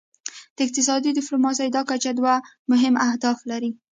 د اقتصادي ډیپلوماسي دا کچه دوه مهم اهداف لري